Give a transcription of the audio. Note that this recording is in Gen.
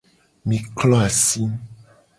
Mi klo asi.